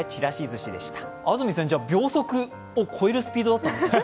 安住さん、秒速を超えるスピードだったんですね。